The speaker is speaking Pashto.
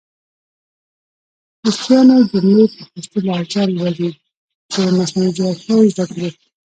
خوستیانو جملي په خوستې لهجه لولۍ چې مصنوعي ځیرکتیا یې زده کړې!